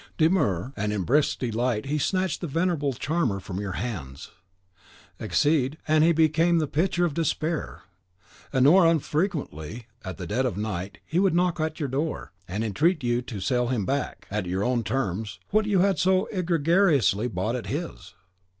Demur, and in brisk delight he snatched the venerable charmer from your hands; accede, and he became the picture of despair, nor unfrequently, at the dead of night, would he knock at your door, and entreat you to sell him back, at your own terms, what you had so egregiously bought at his.